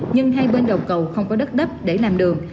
nhưng hai bên đầu cầu không có đất đắp để làm đường